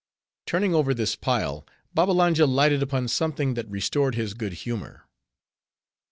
Turning over this pile, Babbalanja lighted upon something that restored his good humor.